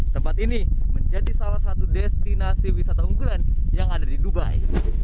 tempat ini menjadi salah satu destinasi wisata unggulan yang ada di dubai